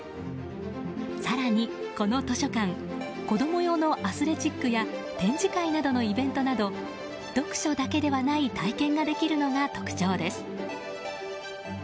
更にこの図書館子供用のアスレチックや展示会などのイベントなど読書だけではない体験ができるのが特徴です。